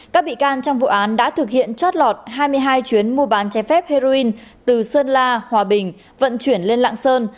các bị can trong vụ án đã thực hiện chót lọt hai mươi hai chuyến mua bán trái phép heroin từ sơn la hòa bình vận chuyển lên lạng sơn